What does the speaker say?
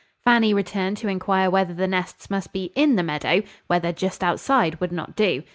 Fanny returned to inquire whether the nests must be in the meadow; whether just outside would not do.